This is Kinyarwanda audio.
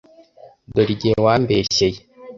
dore igihe wambeshyeye !”